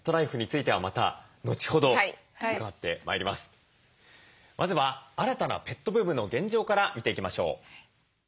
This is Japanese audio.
まずは新たなペットブームの現状から見ていきましょう。